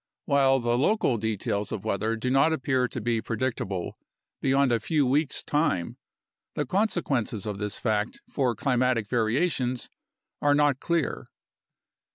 While the local details of weather do not appear to be predictable beyond a few weeks' time, the consequences of this fact for climatic variations are not clear.